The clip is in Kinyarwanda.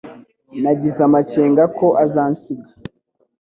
Nagize amakenga ko azansiga.